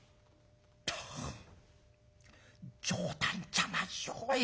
「たぁ冗談じゃないよおい。